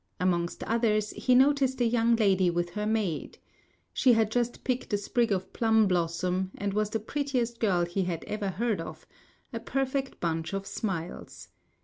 Amongst others, he noticed a young lady with her maid. She had just picked a sprig of plum blossom, and was the prettiest girl he had ever heard of a perfect bunch of smiles.